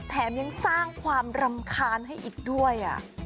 แถมยังสร้างความรำคาญให้อีกด้วย